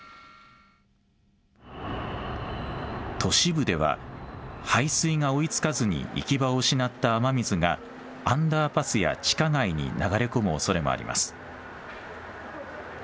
都市部では排水が追いつかずに行き場を失った雨水がアンダーパスや地下街に流れ込むおそれもあります。